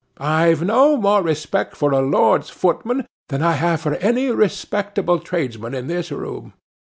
I've no more respect for a Lord's footman than I have for any respectable tradesman in this room.